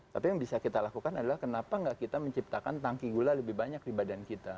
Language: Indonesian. tapi yang bisa kita lakukan adalah kenapa nggak kita menciptakan tangki gula lebih banyak di badan kita